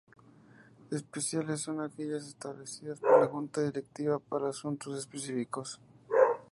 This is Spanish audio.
Especiales: Son aquellas establecidas por la Junta Directiva, para asuntos específicos.